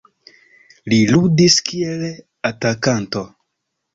Li ludis kiel atakanto.